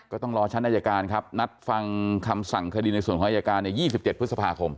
ก็ต้องรอชั้นอายการครับนัดฟังคำสั่งคดีในส่วนของอายการใน๒๗พฤษภาคม